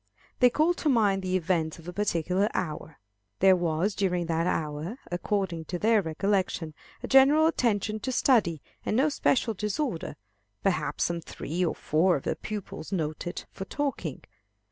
They call to mind the events of a particular hour. There was during that hour, according to their recollection, a general attention to study, and no special disorder; perhaps some three or four of the pupils noted for talking.